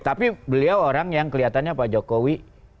tapi beliau orang yang kelihatannya pak jokowi